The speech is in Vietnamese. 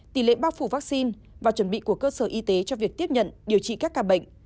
tỷ lệ bao phủ vaccine và chuẩn bị của cơ sở y tế cho việc tiếp nhận điều trị các ca bệnh